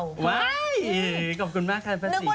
ใช่ขอบคุณมากครับพระศรีครับ